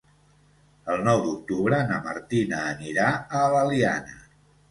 El nou d'octubre na Martina anirà a l'Eliana.